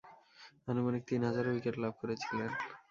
আনুমানিক তিন হাজার উইকেট লাভ করেছিলেন।